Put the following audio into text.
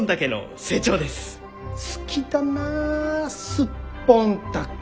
好きだなスッポンタケ！